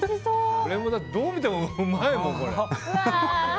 どう見てもうまいもんこれ。